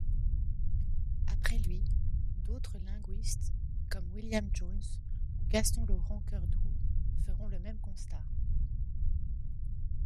Après lui, d'autre linguistes comme William Jones ou Gaston-Laurent Cœurdoux feront le même constat.